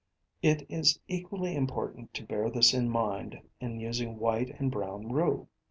It is equally important to bear this in mind in using white and brown roux.